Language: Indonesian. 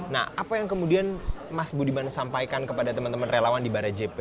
nah apa yang kemudian mas budiman sampaikan kepada teman teman relawan di barajp